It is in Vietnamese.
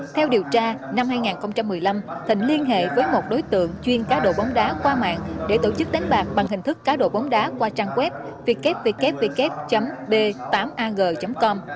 theo điều tra năm hai nghìn một mươi năm thịnh liên hệ với một đối tượng chuyên cá độ bóng đá qua mạng để tổ chức đánh bạc bằng hình thức cá độ bóng đá qua trang web ww b tám ag com